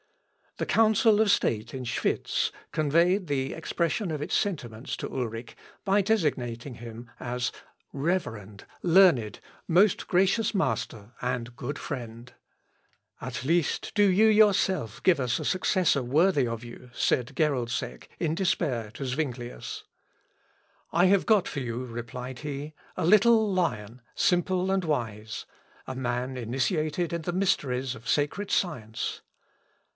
The council of state in Schwitz conveyed the expression of its sentiments to Ulric by designating him as "reverend, learned, most gracious master, and good friend." "At least do you yourself give us a successor worthy of you," said Geroldsek in despair to Zuinglius. "I have got for you," replied he, "a little lion, simple and wise; a man initiated in the mysteries of sacred science."